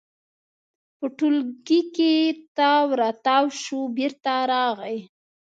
په ټولګي کې تاو راتاو شو، بېرته راغی.